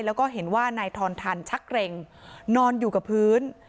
แล้วก็เห็นว่านายทอนทันชักเกร็งนอนอยู่กับพื้น